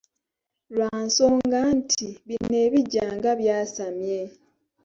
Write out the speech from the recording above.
Lwa nsonga nti, bino ebijja nga byasamye.